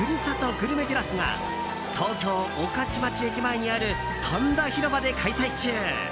グルメてらすが東京・御徒町駅前にあるパンダ広場で開催中！